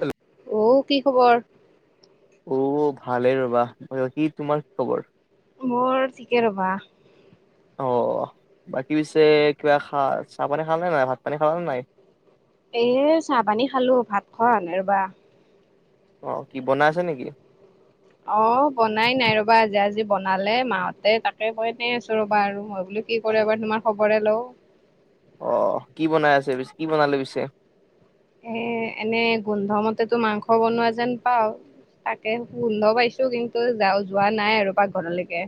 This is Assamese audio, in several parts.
হেল্ল'। অঔ কি খবৰ? অ' ভালে ৰবা। কি তোমাৰ খবৰ? মোৰ ঠিকে ৰ'বা। অ' বাকী পিছে কিবা খা চাহ পানী খাল নাই নাই ভাত পানী খাল নে নাই? এ চাহ পানী খালো, ভাত খোৱা হোৱা নাই ৰ'বা। অ' কি বনাই আছে নেকি? অ' বনাই নাই ৰবা, আজি আজি বনালে মাহতে তাকে কয় এনে আছোঁ ৰবা আৰু মই বুলি কি কৰে এবাৰ তোমাৰ খবৰে লওঁ। অ' কি বনাই আছে পিছে, কি বনালে পিছে? এ, এনে গোন্ধমতেতো মাংস বনোৱা যেন পাওঁ। তাকে গোন্ধ পাইছোঁ কিন্তু যা যোৱা নাই আৰু পাকঘৰলৈকে।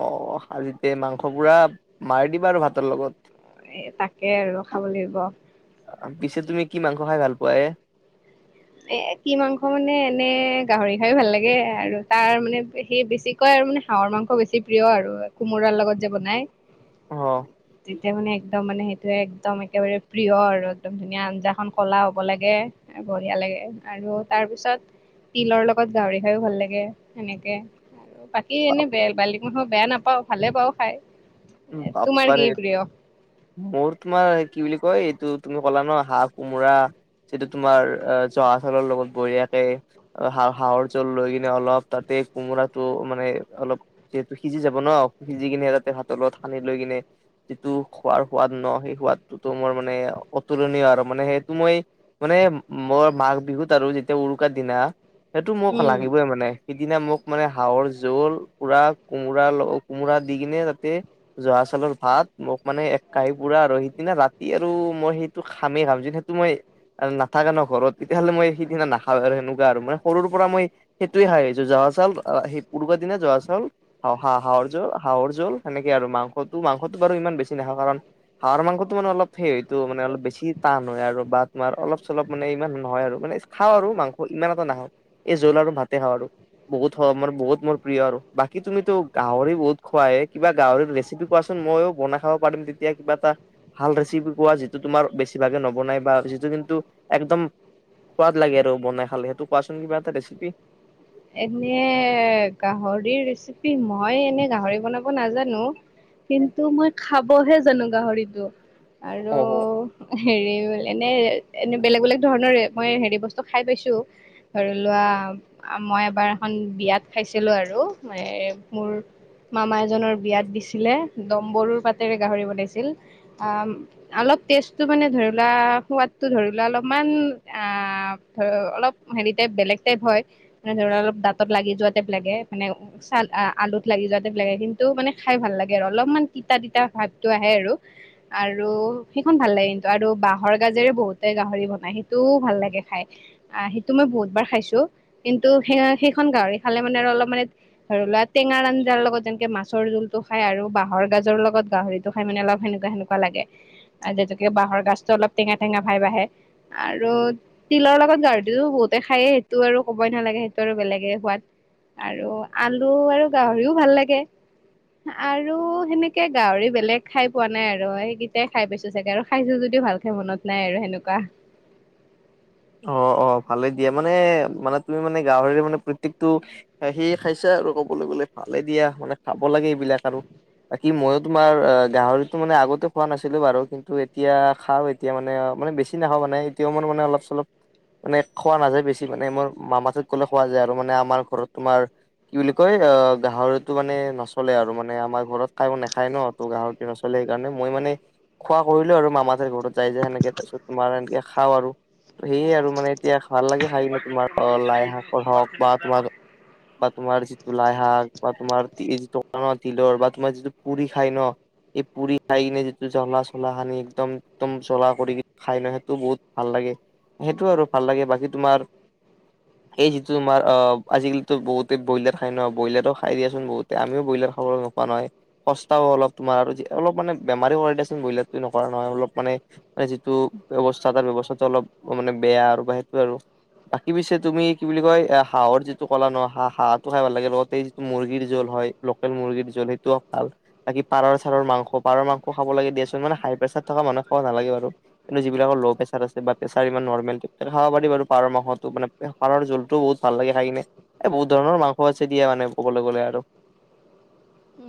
অ' আজিতে মাংস পুৰা মাৰি দিবা আৰু ভাতৰ লগত। এ, তাকে আৰু খাব লাগিব। অ' পিছে তুমি কি মাংস খাই ভাল পোৱা এ? এ, কি মাংস মানে এনে গাহৰি খাই ভাল লাগে আৰু তাৰ মানে সেই বেছি কয় আৰু মানে হাঁহৰ মাংস বেছি প্ৰিয় আৰু কোমোৰাৰ লগত যে বনাই। অ'। তেতিয়া মানে একদম মানে সেইটোয়ে একদম একেবাৰে প্ৰিয় আৰু একদম ধুনীয়া আঞ্জাখন ক'লা হ'ব লাগে। বঢ়িয়া লাগে আৰু তাৰপিছত তিলৰ লগত গাহৰি খাইও ভাল লাগে সেনেকে আৰু। বাকী বাপ এনেই বেল বালিক মানুহৰ বেয়া নাপাওঁ, ভালে পাওঁ খাই। উম, বাপ তোমাৰ কি প্ৰিয় বাৰীত মোৰ তোমাৰ কি বুলি কয়, এইটো তুমি ক'লা ন' হাঁহ কোমোৰা যিটো তোমাৰ জহা চাউলৰ লগত বঢ়িয়াকে হা, হাঁহৰ জোল লৈ কিনে অলপ তাতে কোমোৰাটো মানে অলপ যিহেতু সিজি যাব ন' সিজি কিনে তাতে হাতৰ লগত সানি লৈ কিনে যিটো খোৱাৰ সোৱাদ ন' সেই সোৱাদটোতো মোৰ মানে অতুলনীয় আৰু মানে সেইটো মই মানে মই মাঘ বিহুত আৰু যেতিয়া উৰুকাৰ দিনা সেইটো মোক উম লাগিবই মানে। সিদিনা মোক মানে হাঁহৰ জোল, পুৰা কোমোৰা ল কোমোৰা দি কিনে তাতে জহা চাউলৰ ভাত মোক মানে এক কাঁহি পুৰা আৰু সেইদিনা ৰাতি আৰু মই সেইটো খামেই খাম যে মই নাথাকা ন' ঘৰত তেতিয়াহ'লে মই সেইদিনা নাখা আৰু সেনেকুৱা আৰু মানে সৰুৰ পৰা মই সেইটোৱে খাই আহিছোঁ জহা চাউল আ, সেই উৰুকাৰ দিনা জহা চাউল হ-হাঁহৰ জোল হাঁহৰ জোল সেনেকে আৰু মাংসটো মাংসটো বাৰু ইমান বেছি নাখাওঁ কাৰণ হাঁহৰ মাংসটো মানে অলপ সেই হয়তো মানে অলপ বেছি টান হয় আৰু বা তোমাৰ অলপ চলপ মানে ইমান নহয় আৰু মানে খাওঁ আৰু মাংস ইমান এটা নাখাওঁ, এই জোল আৰু ভাতে খাওঁ আৰু। বহুত হওঁক বহুত মোৰ প্ৰিয় আৰু, বাকী তুমিতো গাহৰি বহুত খোৱোৱা হেই। কিবা গাহৰিত ৰেচিপি কোৱাচোন, মইয়ো বনাই খাব পাৰিম তেতিয়া কিবা এটা। ভাল ৰেচিপি কোৱা যিটো তোমাৰ বেছিভাগে নবনাই বা যিটো কিন্তু একদম সোৱাদ লাগে আৰু বনাই খালে সেইটো কোৱাচোন কিবা এটা ৰেচিপি? এনে গাহৰিৰ ৰেচিপি, মই এনে গাহৰি বনাব নাজানো। কিন্তু মই খাবহে জানো গাহৰিটো। আৰু অ হেৰি এনে এনে বেলেগ বেলেগ ধৰণৰ মই হেৰি বছ তো খাই পাইছোঁ, ধৰি লোৱা মই এবাৰ এখন বিয়াত খাইছিলো আৰু মানে মোৰ মামা এজনৰ বিয়াত দিছিলে, দম্বৰুৰ পাতেৰে গাহৰি বনাইছিল আ অলপ টেষ্টটো মানে ধৰি লোৱা সোৱাদটো ধৰি লোৱা অলপমান আ ধৰ অলপ হেৰি টাইপ, বেলেগ টাইপ হয় মানে ধৰ অলপ দাঁতত লাগি যোৱা টাইপ লাগে মানে চাল আলুত লাগি যোৱা টাইপ লাগে কিন্তু মানে খাই ভাল লাগে আৰু অলপমান তিতা তিতা ভাৱটো আহে আৰু। আৰু সেইখন ভাল লাগে কিন্তু, আৰু বাঁহৰ গাজেৰে বহুতে গাহৰি বনাই সেইটোও ভাল লাগে খাই। আ, সেইটো মই বহুত বাৰ খাইছোঁ কিন্তু সেই সেইখন গাহৰি খালে মানে আৰু অলপ মানে ধৰি লোৱা টেঙাৰ আঞ্জাৰ লগত যেনেকে মাছৰ জোলটো খাই আৰু বাঁহৰ গাজৰ লগত গাহৰিটো খাই মানে অলপ সেনেুৱা সেনেকুৱা লাগে আৰু যেতুকে বাঁহৰ গছটো অলপ টেঙা টেঙা ভাইব আহে। আৰু তিলৰ লগত গাহৰিটো বহুতে খায়েই, সেইটো আৰু ক'বই নালাগে সেইটো আৰু বেলেগে সোৱাদ, আৰু আলু আৰু গাহৰিও ভাল লাগে। আৰু সেনেকে গাহৰি বেলেগ খাই পোৱা নাই আৰু সেইকেইটাই খাই পাইছোঁ চাগে, আৰু খাইছোঁ যদিও ভাল মনত নাই আৰু সেনেকুৱা অ অ ভালে দিয়ে মানে মানে তুমি মানে গাহৰিৰে মানে প্ৰত্যেকটো সেয়ে খাইছে আৰু কবলৈ গ'লে ভালে দিয়া মানে খাব লাগে এইবিলাক আৰু ব কিি মইো তোমাৰ অ গাহৰিতো মানে আগতে খোৱা নাছিলো বাৰু কিন্তু এতিয়া খাও এতিয়া মানে মানেছি নাওঁ মান এতিয়াও মানে অলপ চলপ মানে খোৱা নাযায় বেছি মানে মোৰ মামা তত গ'লে খোৱা যায় আৰু মানে আমাৰ ঘৰত তোমাৰ কি বুলি কয় অ গাহৰিতো মানে নচলে আৰু মানে আমাৰ ঘৰত খাই নেখায় ন তোৰ গাহৰিক নচলে সেইকাৰণে মই মানে খোৱা কৰিলেো আৰু মামাতে ঘৰত যাই যে সেনেকে তাৰপিছত তোমাৰ এনেকে খাও আৰু সেয়ে আৰু মানে এতিয়া ভাল লাগে খাই ন তোমাৰ লাই শাকৰ হওক বা তোমাৰ বা তোমাৰ যিটো লাইশাক বা তোমাৰ এই যিটো তিলৰ বা তোমাৰ যিটো পুৰি খাই ন এই পুৰি খাই কিনে যিটো জ্বলা চলা খানি একদম একদম জ্বলা কি খাই ন সেইটো বহুত ভাল লাগে সেইটো আৰু ভাল লাগে বাকী তোমাৰ এই যিটো আমাৰ আজিকালিতো বহুতে ব্ৰলাৰ খাই নহয় ব্ৰইলাৰো খাই দিয়াচোন বহুতে আমিও ব্ৰইলাৰ খাবলৈ নোওঁ োৱা নহয় সস্তাও অলপ তোমাৰ আৰু অলপ মান বেমী কৰে দেচোন বিলাো নকৰা নহয় অলপ মানে মানে যিটো ব্ৱস্থা তাৰ ব্ৱস্থাটো অলপ মানে বেয়া আৰু বা সেইটোোৱে আৰু বাকী পিছে তুমি কি বুলি কয় এ হাঁহৰ যিটো কলা ন হাঁহটো খাই ভাল লাগে লগতে যিটো মুৰ্গীৰ জোল হয় লোকেল মুৰ্গীৰ জল সেইটোও ভাল বাকি পাৰৰ চাৰৰ মাংস পাৰৰ মাংস খাব লাগে দিয়োন মানে হাই প্ৰেছাৰ থকা মানুহ খাব নালাগে বু কিন্তু যিবিলাকৰ ল' প্ৰেচাৰ আছে বা প্ৰেচাৰ ইমান নৰ্মেল খাব পাৰি বাৰু পাৰৰ মাহতো মানে পাৰৰ জোতটো বহুত ভাল লাগে খাই কিনে এই বহুত ধৰণৰ মাংস আছে দিয়া মানে ক'বলৈ গ'লে আৰু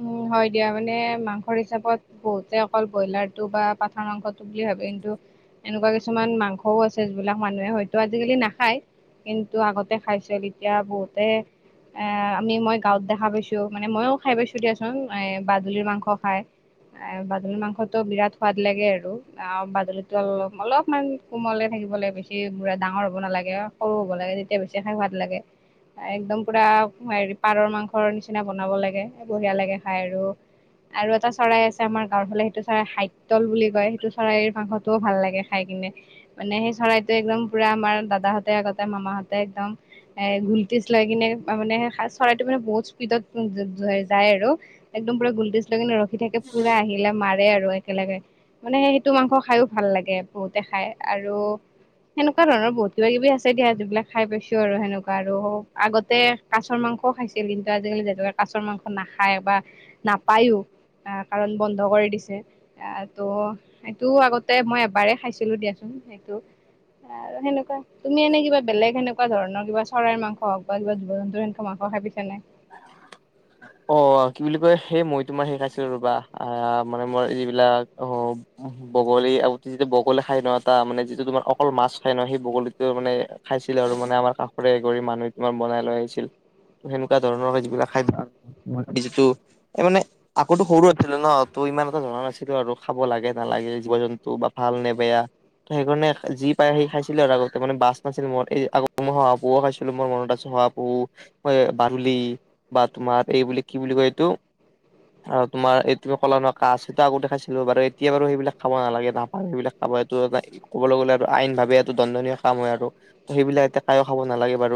উম হয় দিয়া মানে মাংসৰ হিচাপত বহুতে অকল ব্ৰইলাৰটো বা পাঠাৰ মাংসটো বুলি ভাবে কিন্তু এনেকুৱা কিছুমান মাংসও আছে যিবিলাক মানুহে হয়তো আজিকালি নাখায় কিন্তু আগতে খাইছিল এতিয়া বহুতে এ আমি মই গাঁৱত দো পাইছো মানে মইও খাই পাইছো দ আছো এ বাজুলিৰ মাংস খায় এ বাদুলি মাংসতো বিৰাট সোৱাদ লাগে আৰু অ বাদুলিতো অলপ অলপমান কোমললে থাকিব লাগে বেছি বু়াঙৰ হবালাগে সৰু হব লাগে তেতিয়া বেছি আষ ভাদ লাগে একদম পুৰা হেৰি পাৰৰ মাংসৰ নিচিনা বনাব লাগে বঢ়িয়া লাগে খাই আৰু আৰু এটা চৰাই আছে আমাৰ গাঁৱৰ ফালে সেইটো চৰাই হাইটল বুলি কয় সেইটো চৰাইৰ মাংসতটোও ভাল লাগে খাই কিনে মানে সেই চৰাইটো একদম পুৰা আমাৰ দাদাহতে আগতে মামাহঁতে একদম এ ঘুলটিচ লৈ কিনে মানে চৰাইটো মানে বহুত স্পীডত উ যায় আৰু একদম পুৰা গুলটিজ লৈ কিনে ৰখি থাকে পুৰা আহিলে মাৰ আৰু একেলগে মানে সেইটো মাংস খাইও ভাল লাগে বহুতে খাই আৰু সেনেকুৱা ধৰণৰ বহুত কিবা কিবি আছে দিয়া যিবিলাক খাই পাইছো আৰু সেনেকুৱা আৰু আগতে কাছ মাংসও খাইছিল কিন্তু আজিকালি জাতুকে কাছৰ মাংস নাখায় খাই বা নাপায়ো আহ কাৰণ বন্ধ কৰি দিছে আহ ত' সেইটো আগতে মই এবাৰেই খাইছিলো দিয়াচোন সেইটো আৰু সেনেকুৱা তুমি এনে কিবা বেলেগ এনেকুৱা ধৰণৰ কিবা চৰাইৰ মাংস হওক বা কিবা জীৱ জন্তুৰ সেনেকুৱা মাংস খাই পাইছা নে নাই [inaudible] অ কি বুলি কয় সেই মই তোমাৰ সেইখাইছিলো ৰ'বা আহ মানে মোৰ যিবিলাক অ বগলী আৰু যিটো বগলী খাই ন এটা মানে যিটো তোমাৰ অকল মাছ খাই ন সেই বগলীতো মানে খাইছিল আৰু মানে আমাৰ কাষৰে এগৰাকী মানুহ বনাই লৈ আহিছিল সেনেকুৱা ধৰণৰ যিবিলাক খায় যিটো মানে আগতে সৰু আছিলো ন ত ইমান এটা ভবা নাছিলো আৰু খাব লাগে নালাগে জীৱ জন্তু বা ভাল নে বেয়া সেইকাৰণে যি পায় সি খাইছিলো আৰু আগতে মানে বাছ নাছিল মই এই আগতে মই শহাপহুও খাইছিলো মোৰ মনত আছে শহাপহু মই বাদূলি বা তোমাৰ এই কি বুলি কয় এইটো আৰু তোমাৰ এই তুমি ক'লা কাছটা আগতে খাইছিলোঁ এতিয়া বাৰু সেইবিলাক খাব নালাগে নাপায় সেইবিলাক আ সে এইটো এটা ক'বলৈ গ'লে আৰু আইন ভাবে এইটো দণ্ডনীয় কাম হয় আৰু। ত' সেইবিলাক এতিয়া কায়ো খাব নালাগে বাৰু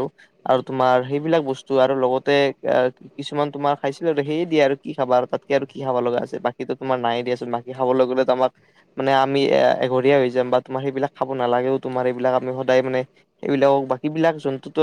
আৰু তোমাৰ সেইবিলাক বস্তু আৰু লগতে কিছুমান তোমাৰ খাইছিলোঁ আৰু সেই দিয়া আৰু কি খাব আৰু তাতকে আৰু কি খাব লগা বাকী তোমাৰ নাই দিয়াচোন বাকী খাবলৈ গ'লে দামাক মানে আমি এঘৰীয়া হৈ যাম বা তোমাৰ সেইবিলাক খাব নালাগেও তোমাৰ এইবিলাক আমি সদায় মানে এইবিলাকক বাকী বিলাক জন্তূতো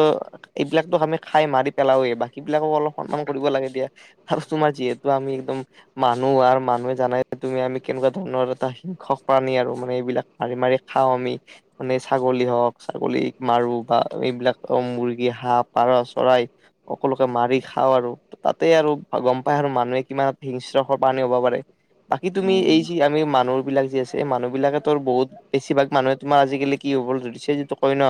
এইবিলাক আমি খাই মাৰি পেলাৱেও বাকী বিলাকক অলপ সন্মান কৰিব লাগে দিয়া আৰু তোমাৰ যিহেতু আমি একদম মানুহ আৰু মানুহে জানাই যে তুমি আমি কেনেকুৱা ধৰণৰ এটা হিংসক প্ৰাণী আৰু মানে এইবিলাক মাৰি মাৰি খাওঁ আমি মানে ছাগলী হওক ছাগলীক মাৰো বা এইবিলাক মুৰ্গী হাঁহ পাৰ চৰাই সকলোকে মাৰি খাওঁ আৰু তাতে আৰু গ'ম পাই আৰু মানুহে কিমান হিংস্ৰশৰ প্ৰাণী হ'ব পাৰে। বাকী তুমি উম এই যি আমি মানুহ বিলাক যি আছে এই মানুহ বিলাক তৰ বহুত বেছিভাগ মানুহে তোমাৰ আজিকালি কি হ'ব ধৰিছে যিটো কই ন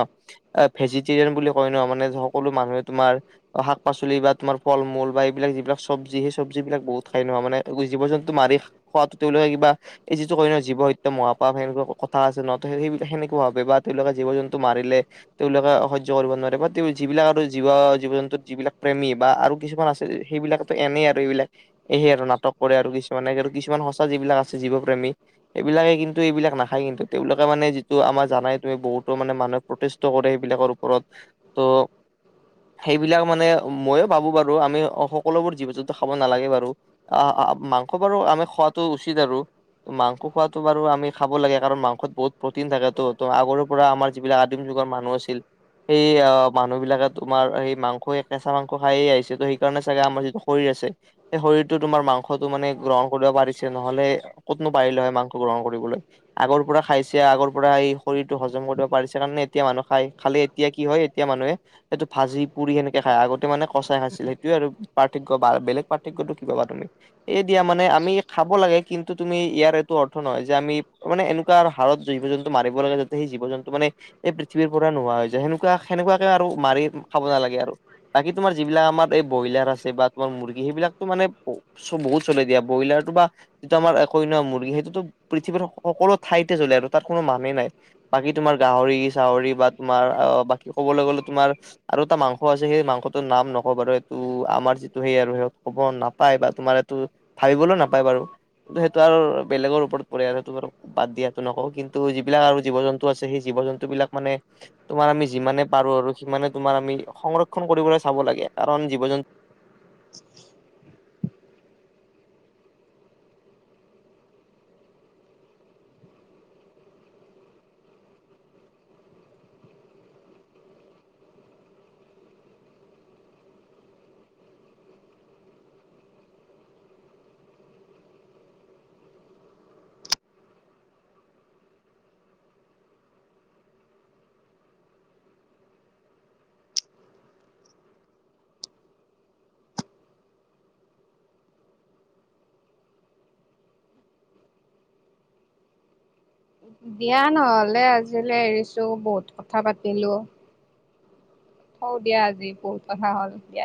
ভেজিটেৰিয়ান বুলি কয় ন মানে সকলো মানুহে তোমাৰ অ', শাক পাচলি বা তোমাৰ ফল মূল বা এইবিলাক যিবিলাক চব্জি সেই চজ্বি বিলাক বহুত খাই নো মানে জীৱ জন্তু মাৰি খোৱাটো তেওঁলোকে কিবা এই যিটো কই জীৱ সত্য মহাপাপ সেনেকুৱা কথা আছে নহয় সেনেকুৱা ভাবে বা তেওঁলোকে জীৱ জন্তু মাৰিলে তেওঁলোকে সহ্য কৰিব নোৱাৰে বা যিবিলাক আৰু জীৱ জীৱ জন্তু ত যিবিলাক প্ৰেমী বা আৰু কিছুমান আছে সেইবিলাকো এনেই আৰু এইবিলাক এ আৰু নাটক কৰে আৰু কিছুমানে আৰু কিছুমান সঁচা যিবিলাক আছে জীৱ প্ৰেমী এইবিলাকে কিন্তু এইবিলাক নাখায় কিন্তু তেওঁলোকে মানে যিটো আমাৰ জানাই তুমি বহুতো মানে মানুক প্ৰতেষ্টটো কৰে সেইবিলাকৰ ওপৰত ত' সেইবিলাক মানে ময়ো ভাবো বাৰু আমি সকলোবোৰ জীৱ জন্তু খাব নালাগে বাৰু আহ মাংস বাৰু আমি খোৱাটো উচিত আৰু ত' মাংস খোৱাতো বাৰু আমি খাব লাগে কাৰণ মাংসত বহুত প্ৰটিন থাকে তো ত' আগৰে পৰা আমাৰ যিবিলাক আদিম যুগৰ মানুহ আছিল সেই অ', মানুহ বিলাকে তোমাৰ স মাংস কেঁচা মাংস খাইেই আহিছে সেইকাৰণে চাগে আমাৰ যিটো শৰীৰ আছে শৰীৰটো তোমাৰ মাংসটো মানে গ্ৰহণ কৰিব পাৰিছে নহ'লে ক'তনো পাৰিলে হয় মাংসটো গ্ৰহণ কৰিবলৈ। আগৰ পৰা খাইছে আগৰ পৰা স শৰীৰটো হজম কৰিব পাৰিছে কাৰণে এতিয়া মানুহ খাই খালে এতিয়া কি হয় এতিয়া মানুহে এইটো ভাজি পুৰি সেনেকে খাই আগতে মানে কচাই খাইছিল সেইটোয়ে আৰু পাৰ্থক্য বা বেলেগ পাৰ্থক্যটো কিবা তুমি এই দিয়া মানে আমি খাব লাগে কিন্তু তুমি ইয়াৰ এইটো অৰ্থ নহয় যে আমি মানে এনেুৱা হাৰত জীৱ জন্তটো মাৰিব লাগে যাতে সেই জীৱ জন্তু মানে এই পৃথিৱীৰ পৰা নোহোৱা হৈ যায় সেনেকুৱা সেনেকুৱাকে আৰু মাৰি খাব নালাগে আৰু বাকী তোমাৰ যিবিলাক আমাৰ এই ব্ৰইলাৰ আছে বা তোমাৰ মুৰ্গী সেইবিলাকো মানে চ' বহুত চলে দিয়া ব্ৰইলাৰটো বা যিটো আমাৰ কইনা মুৰ্গী সেইটোতো পৃথিৱীৰ সকলো ঠাইতে জ্বলে আৰু তাত কোনো মানুহেই নাই বাকী তোমাৰ গাহৰি চাহৰি বা তোমাৰ আহ বাকী ক'বলৈ গ'লে তোমাৰ আৰু এটা মাংস আছে সেই মাংসটোৰ নাম নকব বাৰু এইটো আমাৰ যিটো সেই আৰু সেইত ক'ব নাপায় বা তোমাৰ এইটো ভাবিবলৈ নাপায় বাৰু কিন্তু সেইটো আৰু বেলেগৰ ওপৰত পৰি আছেটো বাৰু বাদ দিয়াতো নকওঁ কিন্তু যিবিলাক আৰু জীৱ জন্তু আছে সেই জীৱ জন্তু বিলাক মানে তোমাৰ আমি যিমানে পাৰো আৰু সিমানে তোমাৰ আমি সংৰক্ষন কৰিবলৈ চাব লাগে কাৰণ জীৱ জন্তু [unintelligible] দিয়া নহ'লে আজিলৈ এৰিছো বহুত কথা পাতিলো। অ', দিয়া আজি বহুত কথা হ'ল দিয়া।